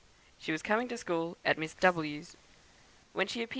She was coming to school at Miss W 's.